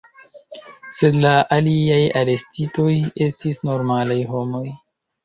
Sed la aliaj arestitoj estis normalaj homoj.